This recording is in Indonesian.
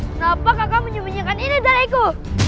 kenapa kakak menyembunyikan ini dariku